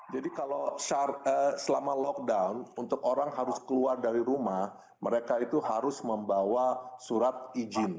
jadi kalau selama lockdown untuk orang harus keluar dari rumah mereka itu harus membawa surat izin